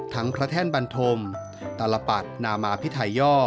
ทั้งพระแท่นบันธมดิ์ตลภัฏหนามาพิไถย่อ